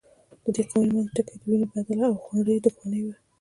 ددې قوانینو منځ ټکی د وینې بدله او خونړۍ دښمني وه.